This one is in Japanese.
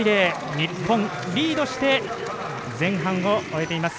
日本、リードして前半を終えています。